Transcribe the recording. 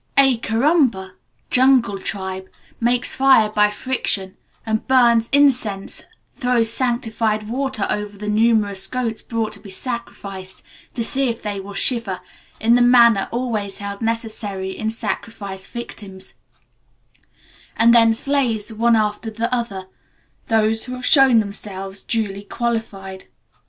A Kurumba (jungle tribe) makes fire by friction, and burns incense, throws sanctified water over the numerous goats brought to be sacrificed, to see if they will shiver in the manner always held necessary in sacrificed victims, and then slays, one after the other, those which have shown themselves duly qualified."